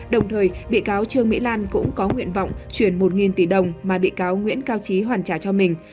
đồng thời bị cáo trương mỹ lan cũng có nguyện vọng chuyển một tỷ đồng mà bị cáo nguyễn cao trí hoàn trả cho mình